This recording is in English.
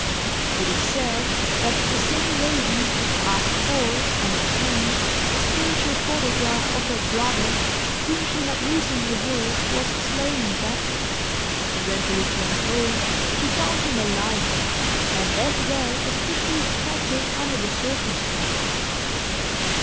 It is said that the same lady asked for and obtained a spiritual photograph of her brother, whom she had recently heard was slain in battle; and when she returned home she found him alive, and as well as could be expected under the circumstances.